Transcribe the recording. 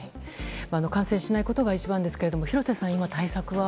感染しないことが一番ですが廣瀬さん、今対策は？